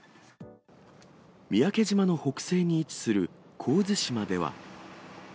三宅島の北西に位置する神津島では。